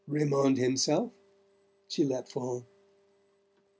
"Raymond himself," she let fall.